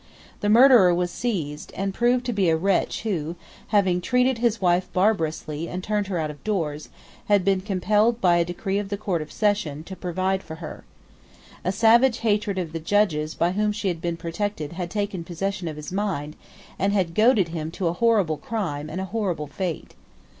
The murderer was seized, and proved to be a wretch who, having treated his wife barbarously and turned her out of doors, had been compelled by a decree of the Court of Session to provide for her. A savage hatred of the judges by whom she had been protected had taken possession of his mind, and had goaded him to a horrible crime and a horrible fate.